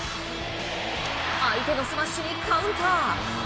相手のスマッシュにカウンター。